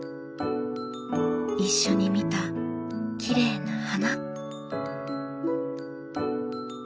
一緒に見たきれいな花」。